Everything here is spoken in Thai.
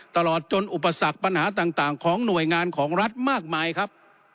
ตลอดจนอุปสรรคปัญหาต่างของหน่วยงานของรัฐมากมายครับ